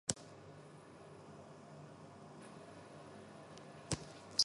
チェコの首都はプラハである